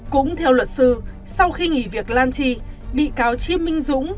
cũng theo luật sư sau khi nghỉ việc lan trị bị cáo chiêm minh dũng